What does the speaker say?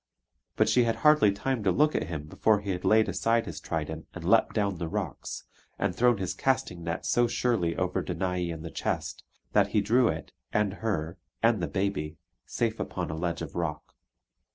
But she had hardly time to look at him before he had laid aside his trident and leapt down the rocks, and thrown his casting net so surely over Danae and the chest, that he drew it, and her, and the baby, safe upon a ledge of rock.